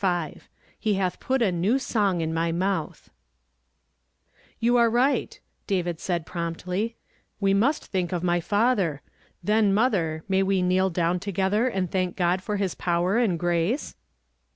I ■ I r "HE HATH PUT A NEW SONG IN MY MOUTH." "XrOTJ are right," said David promptly, "we 1 must think of my father. Then, mother, may we kneel down together, and thank God for his power and grace